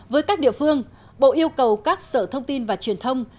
với các địa phương bộ yêu cầu các sở thông tin và truyền thông